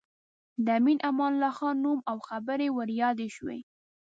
د امیر امان الله خان نوم او خبرې ور یادې شوې.